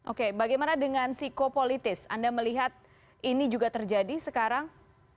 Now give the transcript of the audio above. oke bagaimana dengan psikopolitis anda melihat ini juga terjadi sekarang